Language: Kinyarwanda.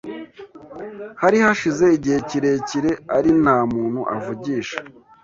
hari hashize igihe kirekire ari nta muntu avugisha